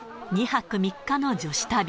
２泊３日の女子旅。